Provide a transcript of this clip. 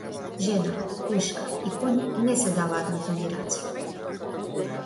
Жена, пушка и коњ не се даваат на туѓи раце.